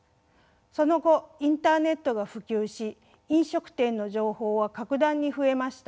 その後インターネットが普及し飲食店の情報は格段に増えました。